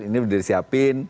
ini sudah disiapin